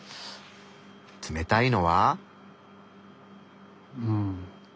冷たいのは？